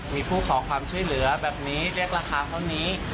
มีผู้ขอความช่วยเหลือแบบนี้เรียกราคาเท่านี้